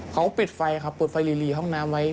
เขาปิดไฟครับเปิดไฟหลีห้องน้ำไว้